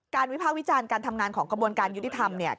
วิภาควิจารณ์การทำงานของกระบวนการยุติธรรมเนี่ย